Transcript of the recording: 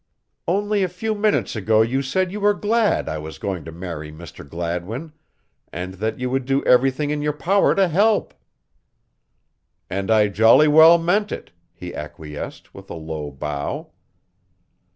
"Only a few minutes ago you said you were glad I was going to marry Mr. Gladwin, and that you would do everything in your power to help." "And I jolly well meant it," he acquiesced, with a low bow.